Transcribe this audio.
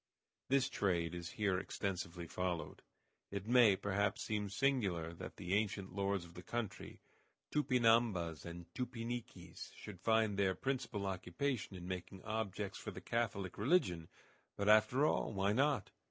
_ This trade is here extensively followed. It may, perhaps, seem singular that the ancient lords of the country, Tupinambas and Tupiniquis, should find their principal occupation in making objects for the Catholic religion. But, after all, why not?